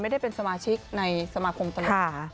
ไม่ได้เป็นสมาชิกในสมาคมตลาดค้า